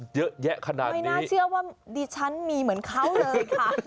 เยอะแยะขนาดนี้ไม่น่าเชื่อว่าดิฉันมีเหมือนเขาเลยค่ะ